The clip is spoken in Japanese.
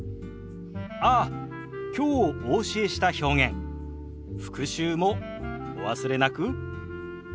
ああきょうお教えした表現復習もお忘れなく。